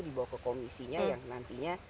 dibawa ke komisinya yang nantinya